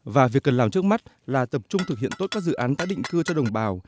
và việc cần làm trước mắt là tập trung thực hiện tốt các dự án tái định cư cho đồng bào